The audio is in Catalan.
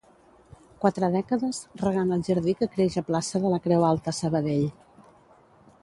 Quatre dècades regant el jardí que creix a plaça de la Creu Alta Sabadell